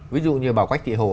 ví dụ như bà quách thị hồ